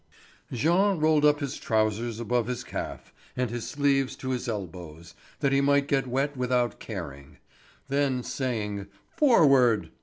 Jean rolled up his trousers above his calf, and his sleeves to his elbows, that he might get wet without caring; then saying: "Forward!"